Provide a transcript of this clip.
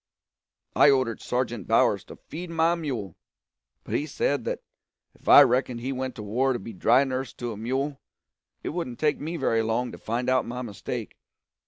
I ordered Sergeant Bowers to feed my mule; but he said that if I reckoned he went to war to be dry nurse to a mule, it wouldn't take me very long to find out my mistake.